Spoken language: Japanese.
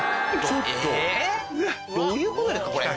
えぇ？どういうことですかこれ。